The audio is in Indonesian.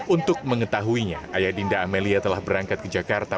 untuk mengetahuinya ayah dinda amelia telah berangkat ke jakarta